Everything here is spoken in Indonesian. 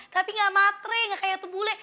tapi gak matre gak kayak tuh bule